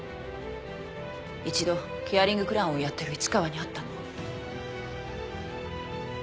一度ケアリングクラウンをやってる市川に会ったの。